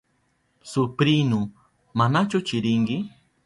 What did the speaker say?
Suprinu, ¿manachu chirinki?